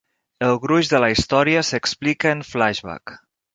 El gruix de la història s'explica en flashback.